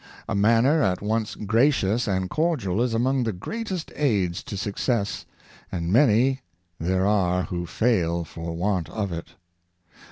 A manner at once gracious and cordial is among the greatest aids to success, and many there are who fail for want of it.